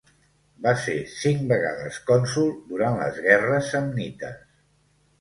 Va ser cinc vegades cònsol durant les guerres samnites.